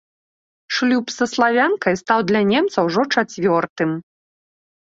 Шлюб са славянкай стаў для немца ўжо чацвёртым.